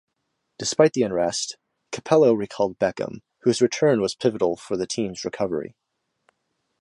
Despite the unrest, Capello recalled Beckham, whose return was pivotal for the team's recovery.